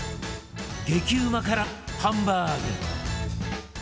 激うま辛ハンバーグ